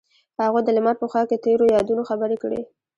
هغوی د لمر په خوا کې تیرو یادونو خبرې کړې.